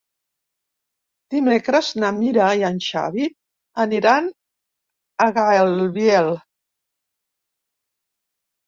Dimecres na Mira i en Xavi aniran a Gaibiel.